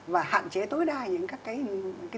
và hạn chế tối đa những cái